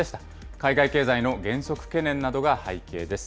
海外経済の減速懸念などが背景です。